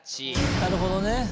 なるほど！